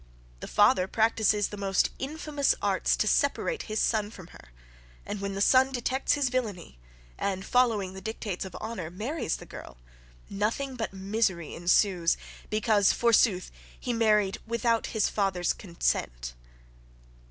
The father practises the most infamous arts to separate his son from her, and when the son detects his villany, and, following the dictates of honour, marries the girl, nothing but misery ensues, because forsooth he married WITHOUT his father's consent.